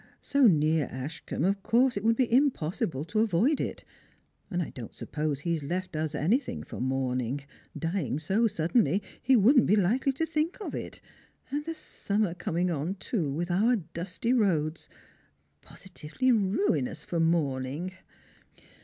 " So near Ashcombe, of course it would be impossible to avoid it, and I don't suppose he has left us anything for mourning; tlying 80 suddenly, he wouldn't be likely to think of it, and the Strangers and Pilgrims. 379 »nmmer comii.g on too, with our dusty roads — positively ruinoaa for mourning."